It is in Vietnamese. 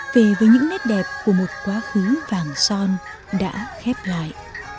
về với những nét đẹp của một quá khứ vàng son đã khép lại